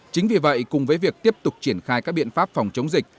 chính vì vậy cùng với việc tiếp tục triển khai các biện pháp phòng chống dịch